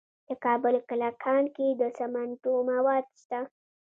د کابل په کلکان کې د سمنټو مواد شته.